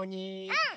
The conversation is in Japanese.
うん！